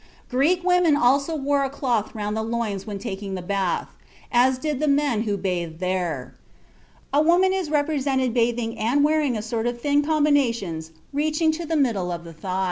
Greek women also wore a cloth round the loins when taking the bath, as did the men who bathed there; and a woman is represented bathing and wearing a sort of thin combinations reaching to the middle of the thigh.